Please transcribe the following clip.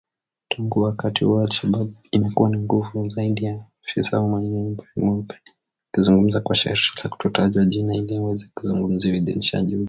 Tangu wakati huo al-Shabaab imekuwa na nguvu zaidi ya afisa wa nyumba nyeupe, akizungumza kwa sharti la kutotajwa jina ili aweze kuzungumzia uidhinishaji huo mpya.